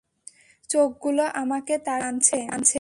চোখগুলো আমাকে তার দিকে টানছে।